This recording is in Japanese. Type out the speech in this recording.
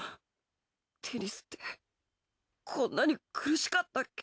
テニスってこんなに苦しかったっけ？